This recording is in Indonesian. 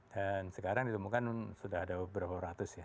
dan sekarang ditemukan sudah ada beberapa ratus ya